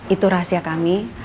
itu rahasia kami